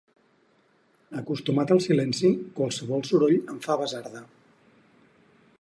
Acostumat al silenci, qualsevol soroll em fa basarda.